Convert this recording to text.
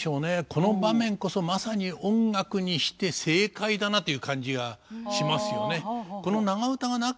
この場面こそまさに音楽にして正解だなという感じがしますよね。